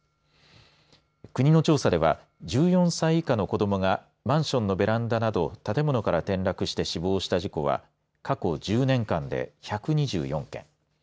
国の調査では１４歳以下の子どもがマンションのベランダなど建物から転落して死亡した事故は過去１０年間で１２４件。